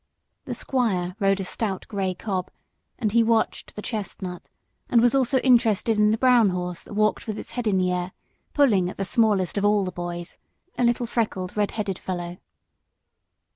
The squire rode a stout grey cob, and he watched the chestnut, and was also interested in the brown horse that walked with its head in the air, pulling at the smallest of all the boys, a little freckled, red headed fellow.